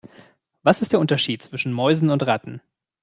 Was ist der Unterschied zwischen Mäusen und Ratten?